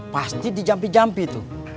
pasti di jampi jampi tuh